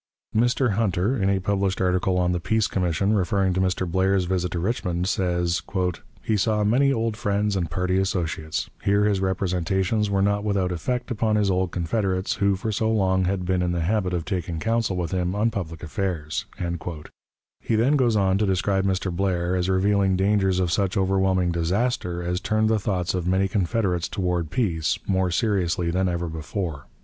Mr. Hunter, in a published article on the peace commission, referring to Mr. Blair's visit to Richmond, says: "He saw many old friends and party associates. Here his representations were not without effect upon his old confederates, who for so long had been in the habit of taking counsel with him on public affairs." He then goes on to describe Mr. Blair as revealing dangers of such overwhelming disaster as turned the thoughts of many Confederates toward peace more seriously than ever before.